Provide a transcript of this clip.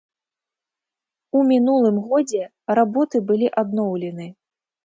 У мінулым годзе работы былі адноўлены.